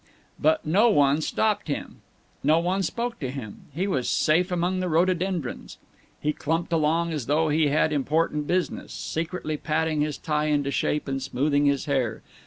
But no one stopped him; no one spoke to him; he was safe among the rhododendrons. He clumped along as though he had important business, secretly patting his tie into shape and smoothing his hair.